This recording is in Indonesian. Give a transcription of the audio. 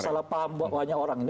salah paham banyak orang